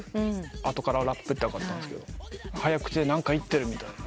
後からラップって分かったんですけど早口で何か言ってるみたいな。